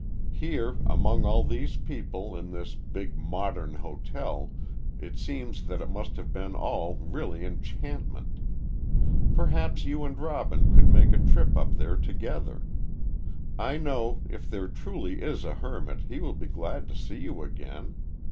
Here, among all these people, in this big modern hotel, it seems that it must have been all really enchantment. Perhaps you and Robin could make a trip up there together. I know, if there truly is a hermit, he will be glad to see you again.